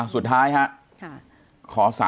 สุดท้ายค่ะ